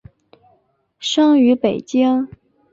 生于北京。